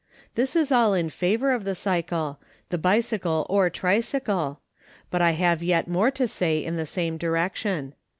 This is all in favor of the cycle, the bicycle or tricy cle, but I have yet more to say in the same direction.